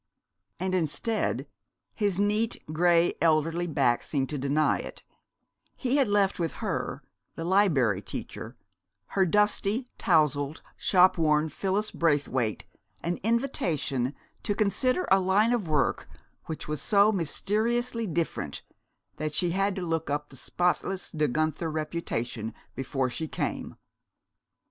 And instead his neat gray elderly back seemed to deny it he had left with her, the Liberry Teacher, her, dusty, tousled, shopworn Phyllis Braithwaite, an invitation to consider a Line of Work which was so mysteriously Different that she had to look up the spotless De Guenther reputation before she came!